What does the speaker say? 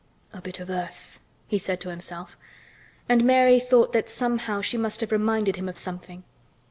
"A bit of earth," he said to himself, and Mary thought that somehow she must have reminded him of something.